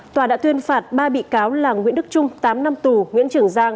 tòa đã tuyên phạt ba bị cáo là nguyễn đức trung tám năm tù nguyễn trường giang